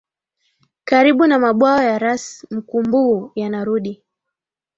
Karibu na mabwawa ya Ras Mkumbuu yanarudi